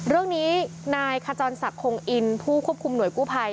เรื่องนี้นายขจรศักดิ์คงอินผู้ควบคุมหน่วยกู้ภัย